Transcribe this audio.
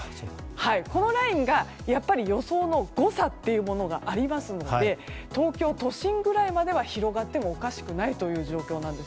このラインがやっぱり予想の誤差というものがあるので東京都心ぐらいまでは広がってもおかしくない状況なんです。